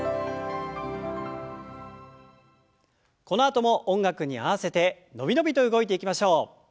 このあとも音楽に合わせて伸び伸びと動いていきましょう。